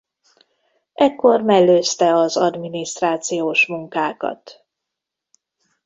Ekkor mellőzte az adminisztrációs munkákat.